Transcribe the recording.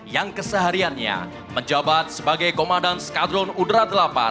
yang kesehariannya menjabat sebagai komandan skadron udara delapan